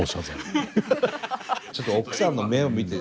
ちょっと奥さんの目を見て。